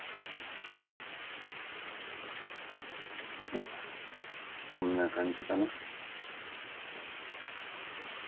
うんこんな感じかな。